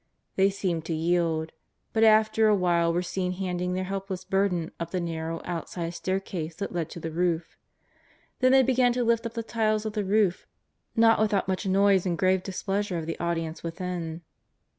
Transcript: They seemed to yield, but after a while were seen haul ing their helpless burden up the narrow outside stair case that led to the roof. Then they began to lift up the tiles of the roof, not without much noise and grave displeasure of the audience within.